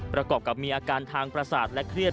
ประกอบกับมีอาการทางประสาทและเครียด